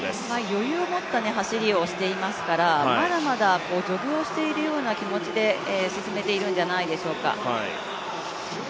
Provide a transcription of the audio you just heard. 余裕を持った走りをしていますから、まだまだジョグをしているような気持ちで進めているんじゃないでしょうか。